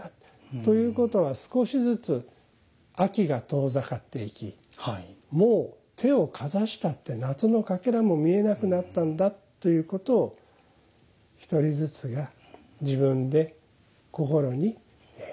ということは少しずつ秋が遠ざかっていきもう手をかざしたって夏のかけらも見えなくなったんだということを一人ずつが自分で心に納得させていくそんな時節だと思って下さい。